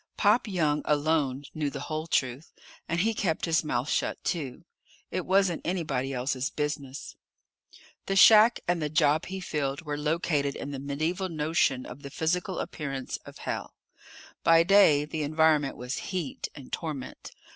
Pop Young alone knew the whole truth, and he kept his mouth shut, too. It wasn't anybody else's business. The shack and the job he filled were located in the medieval notion of the physical appearance of hell. By day the environment was heat and torment.